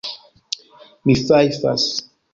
Mi fajfas.